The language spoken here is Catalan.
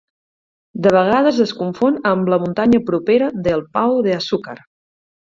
De vegades es confon amb la muntanya propera del Pao de Açúcar.